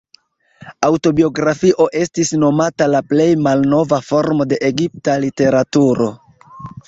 Aŭtobiografio estis nomata la plej malnova formo de egipta literaturo.